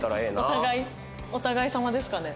お互いお互いさまですかね。